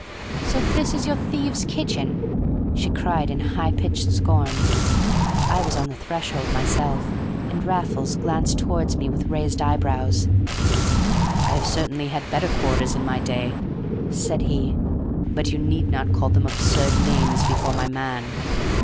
"So this is your thieves' kitchen!" she cried, in high pitched scorn. I was on the threshold myself, and Raffles glanced towards me with raised eyebrows. "I have certainly had better quarters in my day," said he, "but you need not call them absurd names before my man."